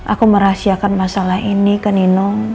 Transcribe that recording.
aku merahasiakan masalah ini ke nino